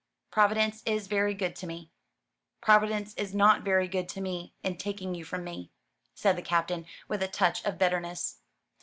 Providence is very good to me." "Providence is not very good to me, in taking you from me," said the Captain, with a touch of bitterness.